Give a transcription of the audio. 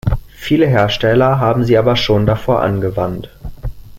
Viele Hersteller haben sie aber schon davor angewandt.